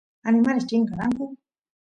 animales chinkaranku